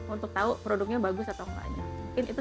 untuk tahu produknya bagus atau enggaknya